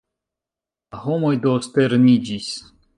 La homoj do sterniĝis.